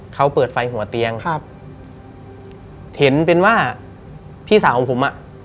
เขาเปิดไฟหัวเตียงครับเห็นเป็นว่าพี่สาวของผมอ่ะ